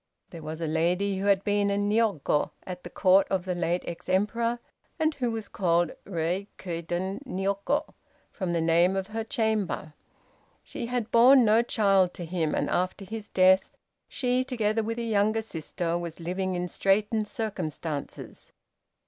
There was a lady who had been a Niogo at the Court of the late ex Emperor, and who was called Reikeiden Niogo, from the name of her chamber. She had borne no child to him, and after his death she, together with a younger sister, was living in straitened circumstances.